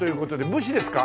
武士ですか？